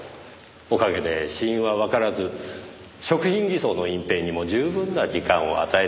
おかげで死因はわからず食品偽装の隠蔽にも十分な時間を与えてしまいました。